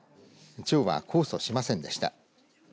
町は控訴しませんでした。